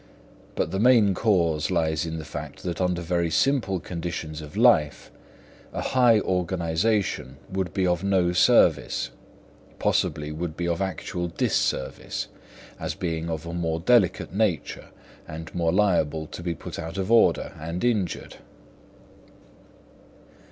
But the main cause lies in the fact that under very simple conditions of life a high organisation would be of no service—possibly would be of actual disservice, as being of a more delicate nature, and more liable to be put out of order and injured.